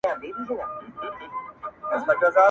دښمني به سره پاته وي کلونه٫